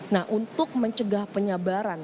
nah untuk mencegah penyebaran